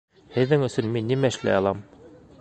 Һеҙҙең өсөн мин нимә эшләй алам?